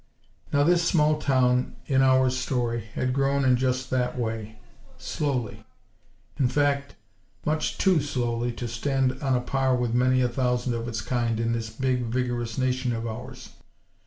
Now this small town in our story had grown in just that way: slowly; in fact, much too slowly to stand on a par with many a thousand of its kind in this big, vigorous nation of ours.